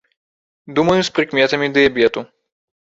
Думаю, з прыкметамі дыябету.